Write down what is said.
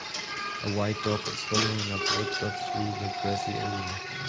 A white dog is following a black dog through the grassy area.